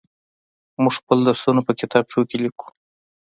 موږ خپل درسونه په کتابچو کې ليكو.